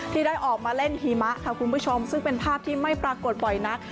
ที่ได้ออกมาเล่นหิมะค่ะคุณผู้ชมซึ่งเป็นภาพที่ไม่ปรากฏบ่อยนัก